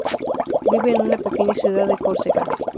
Vive en una pequeña ciudad de Córcega.